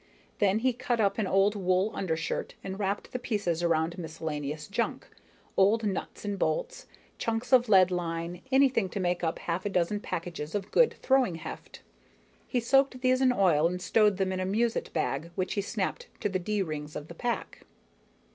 Then he cut up an old wool undershirt and wrapped the pieces around miscellaneous junk old nuts and bolts, chunks of leadline, anything to make up half a dozen packages of good throwing heft. He soaked these in oil and stowed them in a musette bag which he snapped to the D rings of the pack.